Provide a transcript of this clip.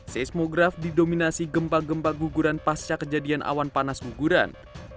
seismograf didominasi gempa gempa guguran pasca kejadian awan panas guguran